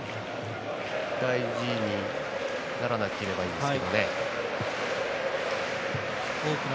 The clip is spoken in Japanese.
大事にならなければいいんですけどね。